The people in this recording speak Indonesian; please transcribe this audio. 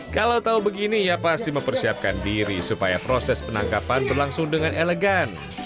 kalau tahu begini ia pasti mempersiapkan diri supaya proses penangkapan berlangsung dengan elegan